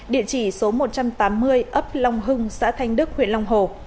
địa chỉ số một trăm tám mươi ấp long hưng xã thanh đức huyện long hồ